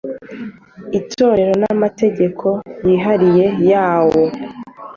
itorero n amategeko yihariye yawo